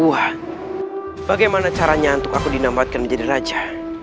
wah bagaimana caranya untuk aku dinampatkan menjadi raja